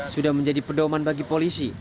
sudah menjadi pedoman bagi polisi